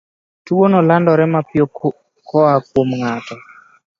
Tuwono landore mapiyo koa kuom ng'ato